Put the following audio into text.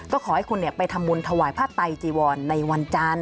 ก็ขอให้คุณไปทำบุญถวายผ้าไตจีวรในวันจันทร์